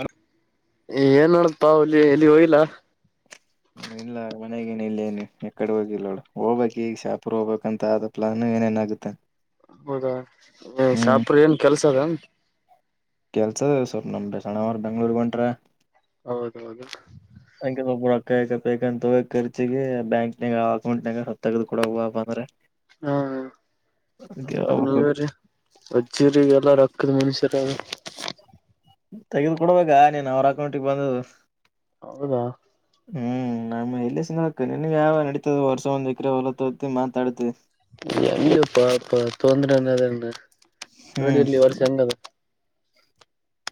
ಅ ಏನ್ ಮಾಡತ ಹುಲಿ ಇಲ್ಲಿ ಹೋಗಿಲ್ಲ. ಇಲ್ಲಾ ಮನೆಗೇನ ಇಲ್ಲೇನು ಎಕಡೆ ಹೋಗಿಲ್ಲ ನೋಡು ಹೋಗ್ಬೇಕ್ ಈಗ ಶಾಹಪುರ ಹೋಗಬೇಕಂತ ಆದಾ ಪ್ಲಾನ್ ಏನೇನ ಆಗುತ್ತೆ ಹೌದಾ ಶಾಪುರ ಏನ್ ಕೆಲ್ಸ ಅದ ಎನ್ ಕೆಲ್ಸದ ಸರ್ ನಮ ಸಣ್ಣವರ ಬೆಂಗಳೂರಿಗಿ ಹೊಂಟಾರ ಹೌದೌದು ಅಂ ಒಬ್ರು ರೊಕ್ಕಾಗಿಕ್ಕಾ ಬೇಕ ಅಂತ ತಗೋ ಖರ್ಚಿಗೆ ಆ ಬ್ಯಾಂಕ್ನಾಗ ಅಕೌಂಟ್ನಾಗ ಅದಾವ್ ತೆಗೆದುಕೊಡಾಕ ಬಾಪಾ ಅಂದ್ರ ಹಾ ಹಾ ನಿವೇರಿ ಅಜ್ಜೀರಿಗೆ ಎಲ್ಲಾ ರೊಕ್ಕದ ಮನುಷ್ಯರಾರ ತೆಗೆದ ಕೊಡ್ಬೇಕಾ ನೀನ್ ಅವ್ರ ಅಕೌಂಟಿಗೆ ಬಂದದು ಹೌದಾ ಹುಂ ನಮ್ಮ್ ಎಲ್ಲಿ ಸಿಗಕ ನಿನ್ಗೆ ಯಾವ ನಡೀತದ ವರ್ಷ ಒಂದ್ ಎಕರೆ ಹೊಲತ್ತೂತಿ ಮಾತಾಡತಿ ಎಲ್ಲಿಪ್ಪಾ ಅ ತೊಂದ್ರೆ ಅನ್ನದನ್ನ ಹ್ಮ್ ನೋಡಿದಲ್ಲಿ ಈ ವರ್ಷ ಹೆಂಗದ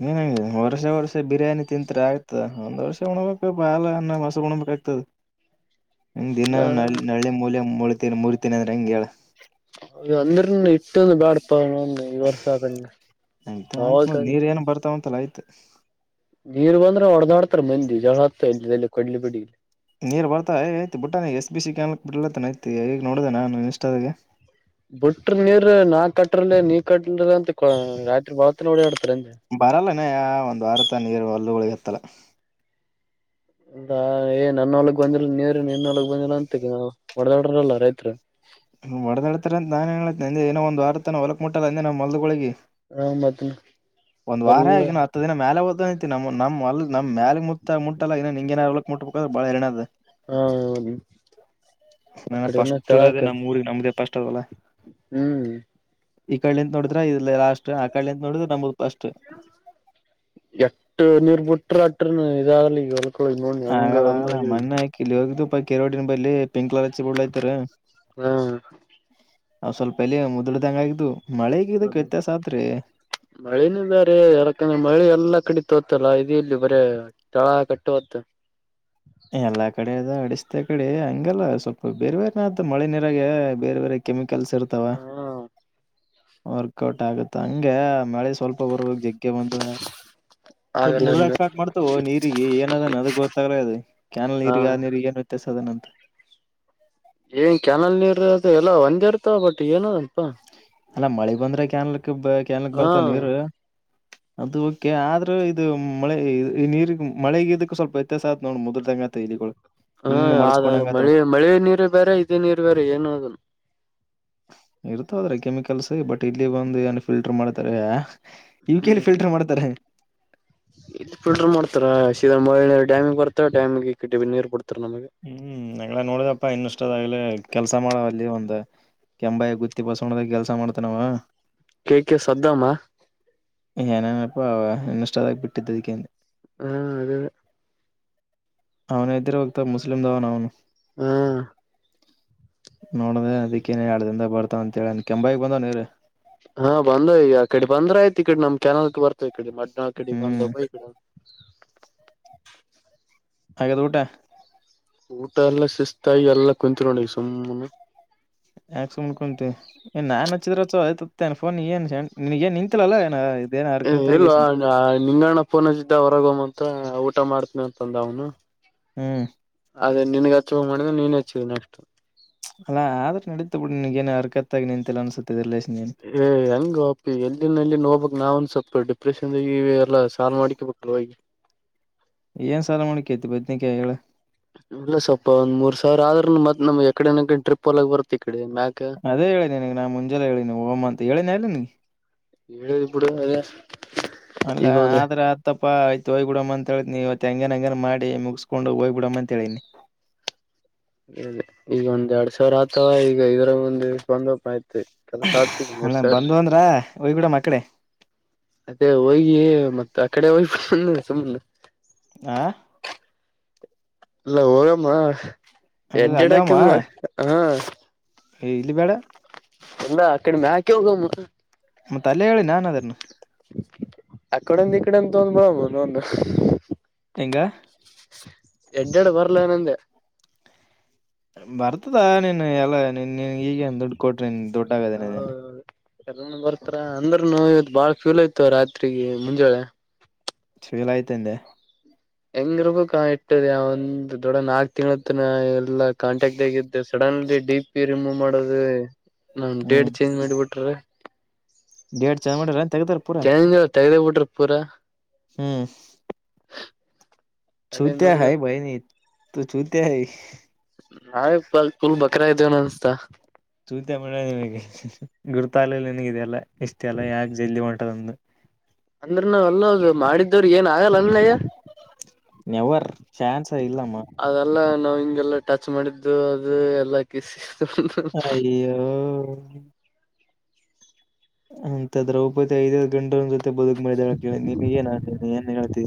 ನೀನ್ಂಗ ವರ್ಷ ವರ್ಷ ಬಿರಿಯಾನಿ ತಿಂತರ ಆಗ್ತದ ಒಂದ್ ವರ್ಷ ಉಣ್ಬೇಕ್ ಹಾಲ ಅನ್ನಾ ಮೊಸರು ಉಣ್ಬೇಕಾಗ್ತದ ಹಂಗ ದಿನಾ ನ ನಳ್ಳಿ ಮೂಲೆ ಮುರಿತನಿ ಮುರಿತೀನಿ ಅಂದ್ರೆ ಹೆಂಗ ಹೇಳ ಅ ಅಂದ್ರನು ಇಟ್ಟಂದು ಬ್ಯಾಡ ಪ ಈ ವರ್ಷ ಆದಾಗ ಅಯ್ತ್ ಆಯ್ತ ಮತ್ ನೀರ್ ಏನ್ ಬರ್ತಾವ ಅಂತಲ್ಲ ಆಯ್ತು ನೀರ್ ಬಂದ್ರೆ ಹೊಡದಾಡ್ತಾರೆ ಮಂದಿ ಜಗಳ ಹತ್ತ ಎಲ್ಲೇ ದೇಲ್ಲ ಕೊಡ್ಲೆ ಬಡಿಗಿ ನೀರ್ ಬರ್ತಾವ ಎತ್ತಿ ಬಿಟ್ಟಾನ ಎಸ್ ಬಿ ಸಿ ಕೆನಾಲಕ್ ಬಿಲತ್ತ ಐತಿ ಈಗ ನೋಡ್ದ ನಾನು ಇನ್ಸ್ಟಾದಾಗ ಬಿಟ್ರ ನೀರ್ ನಾ ಕಟ್ಟ್ರಲಿ ನೀ ಕಟ್ಟ್ರ ಅಂತ ರಾತ್ರಿ ಬೆಳ ತನ ಓಡಾಡ್ತರೆ ಏನ್ ಲೇ ಬರಲ್ಲನ ಯ ಒಂದ್ ವಾರತನ ನೀರು ಹೊಲ್ಲುಗಳಿಗೆ ಎತ್ತಲ್ಲ ಅ ಏ ನನ್ನ ಹೊಲಕ್ಕ ಬಂದಿಲ್ಲ ನೀರು ನಿನ್ನ ಹೊಲಕ್ಕ ಬಂದಿಲ್ಲ ಅಂತ ಹೊಡೆದಾಡ್ರೋಲ್ಲ ರೈತರು ಹೊಡದಾಡತಾರ್ ಅಂತ ನಾನ್ ಹೇಳತನ ಏನೋ ಏನೋ ಒಂದು ವಾರತನ ಹೊಲಕ್ ಮುಟ್ಟಲ್ಲ ಅಂದ ನ ಹೊಲ್ದುಗಳಿಗೆ ಹುಂ ಮತ್ತೆ [unintelligible] ಒಂದ್ ವಾರ ಆಗಿ ಇನ್ನ ಹತ್ತು ದಿನ ಮೇಲೆ ಉದ್ದ ಐತಿ ನಮ್ಮ [unintelligible] ಹೊಲ್ದ ಮುುತ್ತ ಮುಟ್ಟಲ್ಲಂಗನ [unintelligible] ನಿನ್ ಮುಟ್ಟಬೇಕದರ ಬಾಳ ಹೈರಾನ್ ಅದ ಹಾ ಹೌದು ನಾ ಪಸ್ಟ್ ಇರೋದೆ ನಮ್ಮ್ ಊರಿಗೆ ನಮ್ದೇ ಪಸ್ಟ್ ಅದೇ ಹೋಲಾ ಹ್ಮ್ ಈ ಕಡೆ ನಿಂತು ನೋಡಿದ್ರೆ ಇಲ್ಲಿ ಲಾಸ್ಟ್ ಆ ಕಡೆ ನಿಂತು ನೋಡಿದ್ರ ನಮ್ದು ಪಸ್ಟ್ ಎಟ್ಟ ನೀರ್ ಬಿಟ್ರ ಅಟ್ರರ ಇದಾಗಲಿ ಈಗ ಹೊ ಆಗಲ್ಲ ಆಗಲ್ಲ ಮೊನ್ನೆ ಕಿಲ್ಲೇ ಇದು ಪಾ ಕೆರೋಟಿನ ಬೆಂಕಿ ಹಚ್ಚಿ ಬಿಡ್ಲ ಕತ್ತಾರ ಹುಂ ಅ ಸ್ವಲ್ಪ ಎಲೆ ಮುದಳ್ದಂಗ ಆಗಿದು ಮಳೆಗಿ ಇದಕ್ಕ ವ್ಯತ್ಯಾಸ ಆಗ್ತದ್ರಿ ಮಳೆನೆ ಇಲ್ಲ ರಿ ಯಾರಕಂದ್ರ ಮಳೆ ಎಲ್ಲಾ ಕಡೆ ತೋತಲ್ಲಾ ಇದು ಎಲ್ಲಿ ಬರೆ ತಳಾ ಕಟ್ಟವತ್ತು ಎಲ್ಲಾ ಕಡೆ ಅದ ಅಡಿಸತ ಕಡೆ ಹಂಗಲ್ಲ ಸ್ವಲ್ಪ ಬೇರ್ ಬೇರೆನಾತ್ ಮಳೆ ನೀರಾಗ ಬೇರೆ ಬೇರೆ ಕೆಮಿಕಲ್ಸ್ ಇರ್ತಾವ. ಹಾ [unintelligible] ಕೋಟ್ ಆಗುತ್ತ ಹಂಗೆ ಮಳೆ ಸ್ವಲ್ಪ ಬರಬೇಕ ಇಗ ಹೌದಾ ಸ್ವಲ್ಪ ಆಗಲ್ಲ ಮುದ್ರಾಕ ಅಂದ ಸ್ಟಾರ್ಟ್ ಮಾಡ್ತವ ನೀರಿಗೆ ಏನ ಅದಾನ ಅದು ಗೊತ್ತಗಲ್ಲ ಅದ ಕ್ಯಾನಲ್ ಹಾ ನೀರಿಗೆ ಆ ನೀರಿಗೆ ಏನು ವ್ಯತ್ಯಾಸ ಅದ ನಂತ ಏ ಕ್ಯಾನಲ್ ನೀರುದು ಎಲ್ಲ ಒಂದೇ ಇರ್ತಾವ ಏನೋ ಬಟ್ ಏನೋ ಪಾ ಅಲ್ಲಾ ಮಳಿ ಬಂದ್ರೆ ಕೆನಾಲ್ಕ ಕೆನಾಲ್ಕ ಬರ್ತಾವ ಹಾ ನೀರು ಅದು ಕೆ ಆದ್ರೂ ಇದು ಮಳೆ ಈ ಈ ನೀರ್ ಮಳೆಗ ಇದಕ್ಕ ಸ್ವಲ್ಪ ವ್ಯತ್ಯಾಸ ಆತ್ ನೋಡ್ ಮುದ್ರದಂಗ ಆತವ ಎಲಿಗಳು. ಹಾ ಅದಾದು ಮಳಿ ಮಳಿ ನೀರು ಬ್ಯಾರೆ ಇದೇ ನೀರು ಬ್ಯಾರೆ ಏನೋ ಅದು ಇರ್ತಾವ ಅದ್ರಾಗ ಕೆಮಿಕಲ್ಸ್ ಬಟ್ ಇಲ್ಲಿಗ್ ಬಂದು ಏನು ಫಿಲ್ಟರ್ ಮಾಡ್ತಾರೆ ಆ. ಇಲ್ಕೇಳಿ ಫಿಲ್ಟರ್ ಮಾಡ್ತಾರೆ. ಇದು ಫಿಲ್ಟರ್ ಮಾಡ್ತಾರ ಸೀದ ಮೊಳ್ಳೆ ಡ್ಯಾಮಿಗ್ ಬರ್ತವೆ ಡ್ಯಾಮ ಕಟ್ಟಿ ನೀರು ಬಿಡ್ತಾರ ನಮಗೆ. ಹ್ಮ್ ನಂಗಲ್ಲ ನೋಡಿದಪ್ಪ ಇನ್ನಷ್ಟದಾಗಲಿ ಕೆಲ್ಸ ಮಾಡು ಅಲ್ಲಿ ಒಂದು. ಕೆಂಬಾಯ ಗುತ್ತಿ ಬಸವಣ್ಣದಾಗ ಕೆಲಸ ಮಾಡ್ತನಾವ. K K ಸದ್ದಮ್ಮ. ಏನೇನಪ್ಪಾ ಅವ ಇನ್ಸ್ಟದಾಗ ಬಿಟ್ಟಿದ್ದದಕ್ಕೆನೆ. ಹಾ ಅದೇನೆ. ಅವನು ಎದ್ದಿರ್ಬೇಕು ತಗ ಮುಸ್ಲಿಂದವನ್ ಅವನು. ಹ್ಮ ನೋಡಿದೆ ಅದಿಕ್ಕೆ ಎರಡ್ದಿಂದಾಗ ಬರ್ತಾವ ಅಂತ ಹೇಳನ. ಕೆಂಬಾಯಿಗೆ ಬಂದವನಿರು. ಹಾ ಬಂದ ಈಗ ಆ ಕಡೆ ಬಂದ್ರ ಆಯ್ತು ಈ ಕಡೆ ನಮ್ ಕ್ಯಾನಾಲ್ಕ್ ಬರ್ತವೆ ಈ ಕಡೆ ಬಟ್ನಿಲ್ಕಡೆ ಹ್ಮ್ ಬಂದಬ ಈಕಡೆ. [inaudible] ಆಗೇದ ಊಟ. ಊಟ ಎಲ್ಲ ಶಿಸ್ತಾಗಿ ಎಲ್ಲ ಕುಂತ್ಕೊಡಿದಿವಿ ಸುಮ್ಮ್ನೆ. ಯಾಕ್ ಸುಮ್ನ್ ಕುಂತಿ. ನಾನ್ ಹಚ್ಚಿದ್ರಚ್ಚ [unintelligible] ಆಯ್ತಿತೇನ್ ಫೋನ್ ನೀ ಸೆಣ್ ನಿನ್ಗೆನ್ನ್ ನಿಂತಿಲ್ಲಲ್ಲಾ ಏ. ಇಲ್ವಾ ನಿಂಗಣ್ಣ ಪೋನಚಿದ್ದ ಹೊರಗಮ್ಮಂತ ಊಟ ಮಾಡ್ತನಿ ಅಂತಂದ ಅವ್ನು. ಹ್ಮ್. ಅದೇ ನಿನಗೆ ಹಚ್ಚೊಂಗ್ ಮಾಡಿದ್ರೆ ನೀನ್ ಹೆಚ್ಚಿದೆ ನೆಕ್ಸ್ಟ್. ಅಲ್ಲ ಆದ್ರು ನಡಿತು ಬಿಡಿ ನಿನ್ಗೇನ್ ಅರ್ಕತ್ತಗ ನಿಂತಿಲ್ಲ ಅನ್ಸುತ್ತೆ ರಿಲೇಶನ್ ನೀನ್. ಏ ಹೆಂಗೊ ಅಪಿ ಎಲ್ಲಿನ ಎಲ್ಲಿಗೋಗ್ಬೇಕ್ ನಾವನ್ ಸ್ವಲ್ಪ ಡಿಪ್ರೆಷನ್ದಾಗ ಇವಿ. ಇಲ್ಲ ಸಾಲ್ ಮಾಡ್ಕ ಬಿಟ್ಲು ಹೋಗಿ. ಏನ್ ಸಾಲ ಮಾಡಕೈತಿ ಬದ್ನೆಕಯ್ ಹೇಳ. ಇಲ್ಲ ಸ್ವಪ್ಪ ಒಂದ್ ಮೂರ್ ಸಾವಿರ ಆದ್ರೂ ಮತ್ ನಮ್ ಎಕಡೆ ಟ್ರಿಪ್ ಹೊಗ್ಲಾಕ್ ಬತ್ತ ಈ ಕಡೆ ಮ ಅದೇ ಹೇಳಿನಿ ನಾ ಮುಂಜೆಲ್ಲ ಹೇಳಿನಿ ಓಗುಮ ಅಂತ ಹೇಳಿನೆ ಅಲ್ಲ ನಿಗೆ. ಹೇಳಿದಿ ಬಿಡ ಅದ. ಅಲ್ಲ ಆದ್ರೆ ಆತ್. ಇತ್ತಪ್ಪಾಯ್ತ ಹಯ್ ಬಿಡ ಅಂತ ಹೇಳಿದನಿ ತಪ್ಪಾ ಆಯ್ತು ಹೋಯ್ಬಿಡಮ ಅಂತೇಳಿ ಇವತ್ತು ಹೆಂಗನ್ ಹಂಗ ಮಾಡಿ ಮುಗಸ್ಕೊಂಡು ಹೋಗ್ ಬಿಡಮ ಅಂತ ಹೇಳಿನಿ. ಅದೆದೆ ಈಗ ಒಂದ್ ಎರಡ್ ಸಾವಿರ ಆತವ ಈಗ ಇದರಗೊಂದ್ ಹಿಡ್ಕೊಂಡುಪ ಆಯ್ತಿ. [unintelligible] ಅಲ್ಲ ಸರ್ ಬಂದು ಅಂದ್ರ ಹೋಗ್ ಬಿಡಮ್ಮ ಆಕಡೆ ಅದೇ ಹೋಗಿ ಮತ್ತ್ ಆ ಕಡೆ ಹೋಗ್ಬನ್ನಿ ಸುಮ್ಮನೆ. ಆಂ ಇಲ್ಲ ಹೋಗಮ ಅಲ್ಲ ಎಡ್ ಎಡ್ ಅಲ್ಲೇ ಹಾಕಂದ ಹ ಏ ಇಲ್ಲಿ ಬೇಡ. ಎಲ್ಲ ಆ ಕಡೆ ಮ್ಯಾಕೆ ಹೋಗಮ್ ಮತ್ ಅಲ್ಲೇ ಹೇಳಿ ನಾನ್ ಅದನ್ನ. ಅ ಕಡೆ ಒಂದ್ ಈ ಕಡೆ ಒಂದ್ ತೊಣ್ ಬಾ ಒಂದು. ಹೆಂಗ ಎಡ್ಡೆಡ ಬರ್ಲೇನಂದೆ. ಬರ್ತದ ನೀನ್ ಎಲ್ಲಾ ನಿನ್ ಈಗ ದುಡ್ಡು ಕೊಟ್ರಿ ನೀ ದುಡ್ಡ ಆಗದೇನೆ ನೀನ್. ಎಲ್ಲನೂ ಬರ್ತಾರ ಅಂದ್ರುನು ಇವತ್ ಬಾಳ ಫ್ಯೂಲ್ ಆಯ್ತು ರಾತ್ರಿಗೆ ಮುಂಜಾಳೆ. [unintelligible] ಆಯ್ತಂದೆ. ಹೆಂಗರ್ಬೇಕ್ ಇಟ್ಟದೆ ಒಂದ್ ದೊಡ್ಡ ನಾಲ್ಕ್ ತಿಂಳತ್ ಎಲ್ಲಾ ಕಾಂಟ್ಯಾಕ್ಗ್ದ ಸಡನ್ ಡಿ ಪಿ ರಿಮೂವ್ ಮಾಡೋದು ನ ಡೇಟ್ ಹ್ಮ್ ಚೇಂಜ್ ಮಾಡಿಬಿಟ್ರ. ಡೇಡ್ ಚೆಂಜಮಾಡಿರೇನ್ ತೆಗದಿರಾ ಪೂರಾ ತೆ್ದೇ ಬಿಟ್ರು ಪೂರ [unintelligible] ಹ್ಮ್, ಅದೇ ಚೂತ ನೋಡಿದ ಹೈ ಬೈನ ತು ಚೂತ ಹೈ [unintelligible] ನಾವೇ ಫುಲ್ ಬಕ್ರಾ ಇದೇವನ್ ಅನ್ಸ್ತಾ [unintelligible] ಚೂತ ಮೆ ನಿನಗೆ ಗುರುತಾಗಲ್ಲಿಲ್ಲಾನಿನಗ ಇದೆಲ್ಲ ಇಷ್ಟೇಲ್ಲ ಯಾಕೆ ಜಲ್ದಿ ಹೊಂಟದಂತ. ಅಂದ್ರನ [unintelligible] ಅಲ್ಲ ಮಾಡಿದ್ದವ್ರ ಏನ್ ಆಗಲ್ಲ ಅಲ್ಲಯ್ಯ ನೆವರ್ ಚಾನ್ಸ್ ಇಲ್ಲಮ್ಮಾ ಅದೆಲ್ಲಾ ನಾವ್ ಹಿಂಗೆಲ್ಲಾ ಟಚ್ ಮಾಡಿದ್ದು ಅದು ಎಲ್ಲ ಕ ಸಿ ಅಯ್ಯೋ! ಅಂತ ದ್ರೌಪದಿಐದೈದು ಗಂಡನ್ ಜೊತೆ ಬದುಕ್ ಮಿ ನೀ ಏನ ನೀ ಏನ್ ಹೇಳ್ತಿ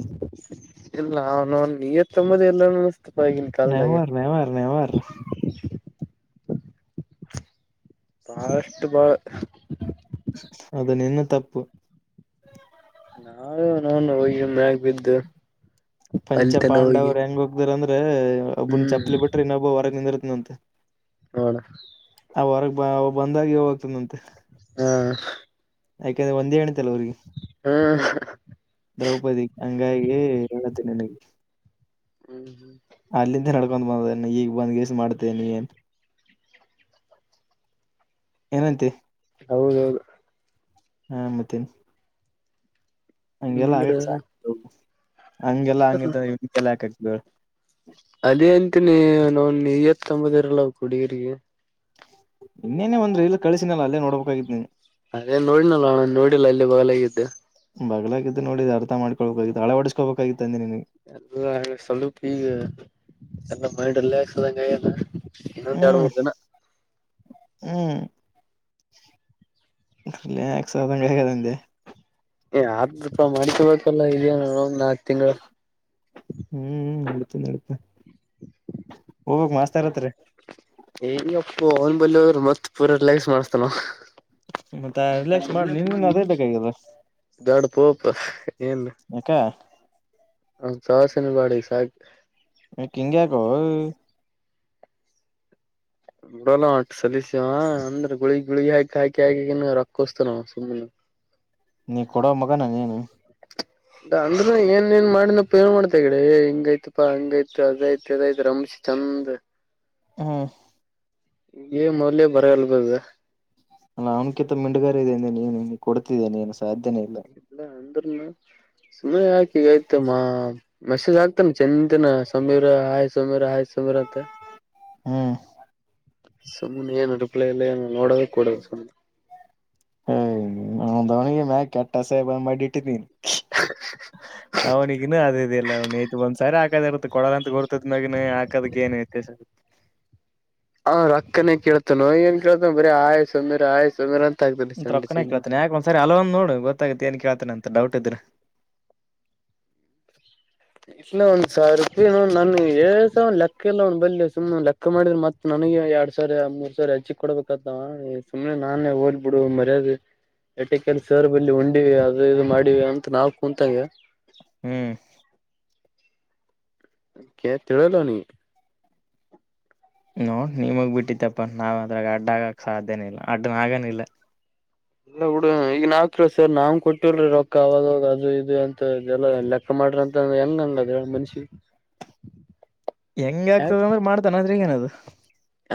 ಇಲ್ಲ ಅವನು ನೀ ತಂಬೋದ ಎಲ್ಲ್ತಪ್ಪ ಇಗಿನಿ ಕಾಲದಾಗ [unintelligible] ನವಾರ ನವಾರ [inaudible] ಬಹಳಷ್ಟು ಬಾಳ [unintelligible] ಅದ ನಿನ್ನ ತಪ್ಪು ನಾ [unintelligible] ನ ಹೋಗಿ ಮ್ಯಾಗ ಬಿದ್ದು ಪಂಚ ಅಲ್ತನ ಹೋಗಿ ಪಾಂಡವ್ರು ಹೆಂಗ ಹೋಗತಾರಂದ್ರೆ ಒಬ್ಬನ್ ಹ್ಮ್ ಚಪ್ಪಲಿ ಬಿಟ್ರಿ ಇನ್ನೊಬ್ಬ ಹೊರಗೆ ನಿಂದಿರ್ತ್ನಂತೆ. ನೋಡ ಅವ ಹೊರಗ್ ಬಂದಾಗ ಇವಾ ಹೋಗ್ತಿದನಂತೆ. ಹ್ಮ್, ಯಾಕಂದ್ರೆ ಒಂದೇ ಹೆಂಡತಿಲ್ಲ ಅವ್ರಿಗೆ. - ಹ್ಮ್ [inaudible] ದ್ರೌಪದಿ ಹಂಗಾಗಿ ಹೇಳುತ್ತೆ ನಿನಗೆ ಅಲ್ಲಿಂದ ಹ ತಕೊಂಡ್ ಬಂದ ಈಗ ಬಂದ್ಗೆಸ ಮಾಡ್ತೇ ನೀ [unintelligible] ಏನಂತಿ ಹೌದೌದು, ಹಾ, ಮತ್ತೇನ್ ಹಂಗೆಲ್ಲಾ ಅಂದ್ರ ಆಗಕ್ ಸಾ ಹಂಗೆಲ್ಲಾ ಹಾಗಿಂತಂದ್ರ [unintelligible] ಹಾಂಗಲ್ಲ ಹಾಕ್ತೀವಿ ಹೇಳ್ ಅದೇ ಅಂತನಿ ನಾ ನೀಯತ್ ಅಂಬದಿರಲ್ಲ ಅವಕ ಹುಡುಗಿಯರಿಗಿ. - ಇನ್ನೇನೆ ಒಂದು ಇದ ಇಲ್ಲಿ ಕಳಸಿನಲ್ಲ ಅಲ್ಲೇ ನೋಡ್ಬೇಕಾಗಿತ್ತ ನೀ ಅದೇ ನೋಡಿನಲ್ಲಣ ನೋಡಿಲ್ಲ ಅಲ್ಲಿ ಬಗಲಾಗಿದ್ದೆ. ಬಗ್ಲ ಆಗಿತ್ತು ನೋಡಿ ಅರ್ಥ ಮಾಡ್ಕೊಬೇಕಾಗಿತ್ತು ಹಳ ಹೊಡಸ್ಕೊಬೇಕಾಗಿತ್ತು ಅಂದೆ ನಿನಗ. ಎ ಸ್ವಲ್ಪ ಈಗ ಎಲ್ಲ ಮೈಂಡ್ ರಿಲ್ಯಾಕ್ಸ್ ಆದಂಗ ಆಗ್ತಾರೆ. ಹ್ಮ್, ಹ್ಮ್ ಲಾಕ್ಸ್ಧ ಕೆ [unintelligible] ಆದಪ ಮಾಡ್ತಿಲ್ಲ ಇದ ನ ಒಂದ ನಾಕ್ ತಿಂಗಳ [unintelligible] ಹ್ಮ್ ನಡ್ತ ನಡ್ತ ಹೋಗ್ಕ್ ಮಾಸ್ತ ಇರತ್ರಿ [unintelligible] ಈಗಪ್ಪ ಅವನ್ ಬಲ್ಲ ಅವರು ಮತ್ ಪೂರಾ ರಿಲಯಕ್ಸ್ ಮಾಡ್ಸ್ತ ನಾವವು ಮತ್ತ ರಿಲ್ಯಾಕ್ಸ್ ಮಾಡ್ ನಿನ್ಗನ್ ಅದೇ [unintelligible] ಬೇಕಾಗ್ಯದ ದಡ ಪೋಪ ಏನು [inaudible] ಯಾಕ ನಿಮ್ಮ ಸವಾಸನೆಬ್ಯಾಡ ಸಾಕ ಯಾಕಿಂಗ್ಯಾಕೋ [inaudible] ನಡೋಲ್ಲಂ ಸಲಿಸಿವ ಅಂದ್ರ ಗುಳಿಗ್- ಪಳಿಗ್ ಹಾಕಿ ಹಾಕಿ ಹಾಕ ರಕ್ಕೋಸ್ತ ನ ಸುಮ್ಮನೆ. ನೀ ಕೊಡೋ ಮಗ ನಾ ನಿನು ಅಂದ್ರ ಏನ್ ಎನ್ನ್ ಮಾಡಿದನಪ್ಪ ಏನ್ ಮಾಡ್ತ ಈಕಡಿ ಏ ಹಿಂಗಾಯ್ತಪ ಹಂಗ ಆಯ್ತ್ ಅದ್ ಆಯ್ತ್ ಇದ ಆಯ್ತ್ ರಮಿಶಿ ಚಂದ ಹ್ಮ್. ಈಗೆ ಮೊದ್ಲೆ ಬರಗಾಲ ಬಿದ್ದೇದ. ನಾ ಅವ್ನಕಿಂತ ಮಿಂಡಗಾರ ಇದೆ ಅಲೆ ನೀನು ಕೊಡತಿದ್ದಿ ಏನ ಸಾಧ್ಯನೇ ಇಲ್ಲ. ಇಲ್ಲ ಅಂದ್ರನು ಸುಮ್ಮನೆ ಯಾಕ ಹೇಳ್ತಿಯಮ್ಮ. ಮೆಸೇಜ್ ಹಾಕ್ತಾನ ಚಂಚನ ಸಮೀರ ಹಾಯ್ ಸಮೀರ ಹಾಯ್ ಸಮೀರ ಅಂತ ಹ್ಮ್. ಸುಮ್ಮನೆ ಏನ ರೀಪ್ಲೈ ಇಲ್ಲ ನೋಡದೇ ಕೂಡದು ಸುಮ್ಮನೆ ಏಯ ಅವಂದ ಅವ್ನಗಿನ ಕೆಟ್ಟ ಅಸಯ್ಯ ಮಾಡಿ ಇಟ್ಟಿದ್ದೀನಿ. [inaudible] ಅವ್ನಿಗಿನ ಅದು ಇದಿಲ್ಲ ಅವ್ನ ಒಂದ್ ಸಾವಿರ ಹಾಕದ ಇರತ ಕೊಡಲ್ಲ ಅಂತ ಗುರುತ ಇದ್ದ ಮ್ಯಾಗ ಇನ್ನ ಹಾಕದಕ ಏನ ಐತೆ ಸರ್ ಅವ ರೊಕ್ಕನೇ ಕೇಳ್ತಾನೋ ಏನ್ ಕೇಳ್ತಾನ ಬರೀ ಹೈ ಸಮೀರ್ ಹೈ ಸಮೀರ್ ಅಂತ ಹಾಕ್ತಾನ ಸಂಡೇ ರೊಕ್ಕನ ಕೇಳ್ತಾನೆ ಸಂಜಿತಣ. ಯಾಕ ಒಂದ್ ಸರಿ ಹೆಲೋ ಅಂದ ನೋಡು ಗೊತ್ತೆ ಆಗತ್ತ ಏನ್ ಕೇಳ್ತಾನ ಅಂತ ಡೌಟ್ ಇದ್ರ ವಿಷ್ಣು ಒಂದ್ ಸಾವಿರ ರೂಪಾಯಿ ನನ್ ಏಸ ಲೆಕ್ಕ ಇಲ್ಲ ಅವ್ನ ಬಳ್ಳಿ ಸುಮ್ಮ ಲೆಕ್ಕ ಚೆಕ ಮಾಡಿದ್ರ ಮತ್ ನನಗೆ ಎರಡ್ ಸಾವಿರ ಮೂರ್ ಸಾವಿರ ಹಚ್ಚಿ ಕೊಡ್ಬೇಕಾಗ್ತದ ಸುಮ್ಮನೆ ನಾನೇ ಹೋಗ್ಲಿಬಿಡು ಮರ್ಯಾದೆ ಏಟ್ಟೆಕಲ್ಲಿ ಸರ್ ಬಲ್ಲಿ ಉಂಡೇವಿ ಅದು ಇದು ಮಾಡಿವಿ ಅಂತ ನಾವು ಕೂತಂಗ ಹ್ಮ್. ಕೇಳ್ತಿ ಇಲ್ಲೋ ನೀ ನೋಡ್ ನಿಮಗ್ ಬಿಟ್ಟಿದಪ್ಪ ನಾವು ಅದ್ರಾಗ ಅಡ್ಡ ಆಗಕ್ ಸಾಧ್ಯನೇ ಇಲ್ಲ ಅಡ್ನ ಆಗನಿಲ್ಲ. ಎಲ್ಲಾ ಹುಡುಗ ಅದಾನ್ ಈಗಿನ್ ಸರ್ ನಾಗ್ ಕೊಟ್ಟರ ರೊಕ್ಕ ಅವಾಗ ಅದು ಇದು ಅಂತದೆಲ್ಲ ಲೆಕ್ಕ ಮಾಡ್ರ ಅಂತ ಹೆಂಗ ಆಗಲ್ಲಾ ಹೇಳ್ ಮನಸ್ಸಿಗ್ ಹೆಂಗ ಆಗ್ತದ ಅಂದ್ರೆ ಮಾಡ್ತಾನ ಅದು ಅದರಾಗ ಏನ್ ಅದ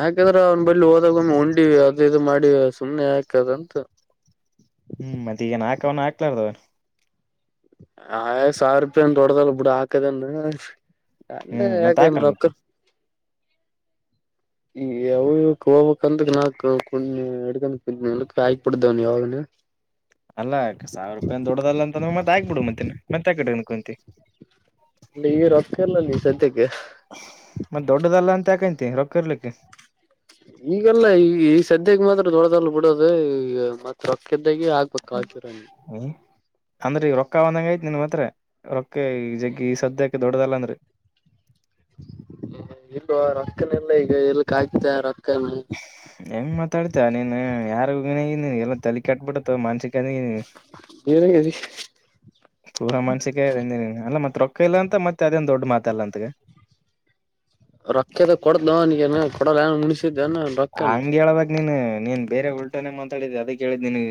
ಯಾಕಂದ್ರ ಅವ್ನ ಬಳಿ ಹೋದಾಗ ಒಮ್ಮೀ ಉಂಡಿವ ಅದ ಇದು ಮಾಡಿವ ಸುಮ್ಮನೆ ಯಾಕಕ್ದಂತ ಹ್ಮ್ ಮತ್ತ ಈಗೆನ್ ಹಾಕ್ಲೇನ ಹಾಕ್ಲಾರದವ ಆ ಸಾವಿರ ರೂಪಾಯಿನ್ ದೊಡ್ಡ್ದಲ್ ಬಿಡ ಹಾಕದ ಏನ್ ಹ್ಮ್ ಮತ್ ಎಲ್ಲಿ ಏನ ಹಾಕಲ್ ಮತ್ತ ರೊಕ್ಕದ ಈಗ ಅವ ಇವಕ್ ಹೋಗಬೇಕಂದ್ರ [unintelligible] ಅಲ್ಲಾ ಸಾವಿರ ರೂಪಾಯಿ ಏನ್ ದೊಡ್ಡದ ಅಲ್ಲ ಅಂತಂದ್ರ ಮತ್ತ ಹಾಕ್ಬಿಡು ಮತ್ತೇನ್ ಮತ್ತ ಯಾಕ್ [unintelligible] ಲೇ ಈಗ ರೊಕ್ಕ ಇಲ್ಲಲೇ ಸದ್ಯಕ್ಕ ಮತ್ತ ದೊಡ್ಡದಲ್ಲ ಅಂತ ಯಾಕ ಅಂತಿ ರೊಕ್ಕ ಇರ್ಲಿಕ್ಕ ಈಗಲ್ಲ ಈ ಈಗ ಸದ್ಯಕ್ಕೆ ಮಾತ್ರ ದೊಡದಳ ಬಿಡೋದು ಈ ಮತ್ತ ರೊಕ್ಕದ್ದಾಗ ಆಗ್ಬೇಕ [inaudible] ಹ್ಮ್. ಅಂದ್ರ ಈಗ ರೊಕ್ಕ ಅದಾವ ಅಂದಂಗ ಆಯ್ತ್ ನಿನ್ನ ಮತ್ರ ರೊಕ್ಕ ಈ ಜಗ್ಗ ಈ ಸದ್ಯಕ್ಕೆ ದೊಡ್ಡದಲ್ಲ ಅಂದ್ರ ಇಲ್ಲೋ ರೊಕ್ಕನೆ ಇಲ್ಲ ಈಗ ಎಲ್ ಕಾಲಿ ಆಗ್ತ ರೊಕ್ಕ ಏಲ್ಲಿ? ಹೆಂಗ್ ಮಾತಾಡ್ತಾ ನೀನ ಯಾರಿಗೆ ಏನ [unintelligible] ಕೆಟ್ಟಬಿಡುತ್ತ ಮಾನಸಿಕಅನಿ ಪೂರ ಮಾನಸಿಕ ಆಗೇದ ನಿನಗ ಅಲ್ಲ ಮತ್ತೆ ರೊಕ್ಕ ಇಲ್ಲ ಅಂತ ಮತ್ತೆ ಅದೇನ್ ದೊಡ್ ಮಾತ ಅಲ್ಲ ಆತಗ - ರೊಕ್ಕದ ಕೊಡ್ದವನಗ ಕೊಡಲ್ಲಅನ್ ಮುನಿಸಿದ್ದೇನ?? ಹಂಗ ಹೇಳ್ಬೇಕ ನೀನ್ ನೀನ್ ಬೇರೆ ಉಲ್ಟನೆೇ ಮಾತಾಡಿದಿ ಅದಕ್ಕ ಹೇಳಿದ್ದ ನಿನಗ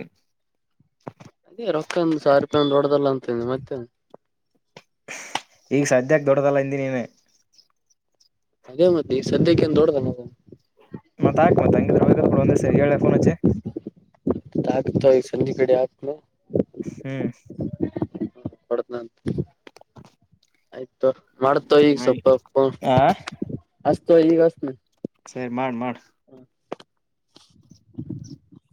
ಅದೇ ರೊಕ್ಕಾ ಸಾವಿರ ರೂಪಾಯ ಏನ್ ದೊಡ್ಡದಲ್ಲ ಅಂತ ಮತ್ತೆ ಈಗ ಸದ್ಯಕ್ಕ ದೊಡ್ಡದಲ್ಲ ಅಂದಿ ನೀನ ಅದೇ ಮತ್ತೆ ಈ ಸದ್ಯಕ್ಕೆನ್ ದೊಡ್ಡದ ಏನ್ ಅದ ಮತ್ತ ಹಾಕ್ ಮತ್ತ ಹಂಗಿದ್ರ ವಾಗಿದ ವಗದ ಬಿಡು ಒಂದೇ ಸರಿ ಹೇಳ್ಯಾ ಪೋನ್ ಹಚ್ಚಿ ಟ್ಯಾಕ್ಟರ ಈ ಸಂದಿ ಕಡೆ ಆಕ್ಲ ಹ್ಮ್ ಕೊಡತ್ ನಂತ ಆಯ್ತು ಮಾಡ್ತವ್ ಈಗ ಸ್ವಲ್ಪ ಆ ಅಸ್ತ ಈಗ ಅಸ್ತೀನಿ. ಸರಿ ಮಾಡ್ ಮಾಡು